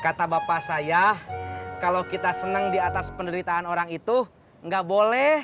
kata bapak saya kalau kita senang di atas penderitaan orang itu nggak boleh